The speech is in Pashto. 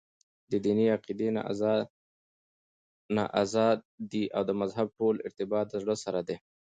دديني عقيدي نه ازاد دي او دمذهب ټول ارتباط دزړه سره دى .